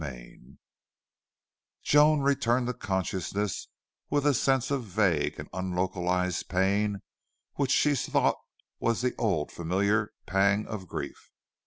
16 Joan returned to consciousness with a sense of vague and unlocalized pain which she thought was that old, familiar pang of grief.